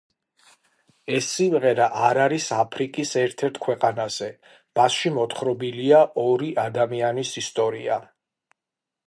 ეს სიმღერა არ არის აფრიკის ერთ-ერთ ქვეყანაზე, მასში მოთხრობილია ორი ადამიანის ისტორია.